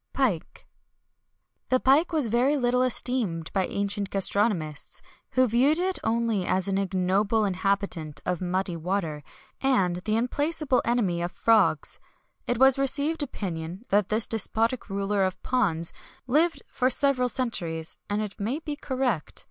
BOSC. PIKE. The pike was very little esteemed by ancient gastronomists, who viewed it only as an ignoble inhabitant of muddy water, and the implacable enemy of frogs.[XXI 135] It was a received opinion that this despotic ruler of ponds lived for several centuries, and it may be correct.